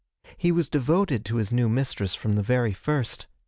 He was devoted to his new mistress from the very first.